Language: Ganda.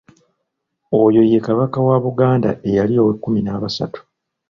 Oyo ye Kabaka wa Buganda eyali ow'ekkumi n’abasatu.